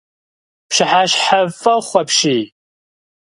Пщыхьэщхьэфӏохъу апщий!